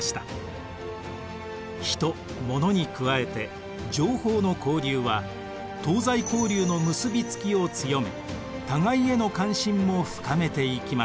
人ものに加えて情報の交流は東西交流の結びつきを強め互いへの関心も深めていきました。